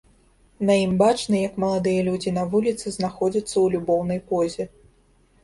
На ім бачна, як маладыя людзі на вуліцы знаходзяцца ў любоўнай позе.